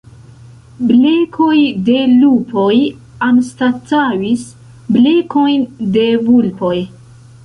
Blekoj de lupoj anstataŭis blekojn de vulpoj.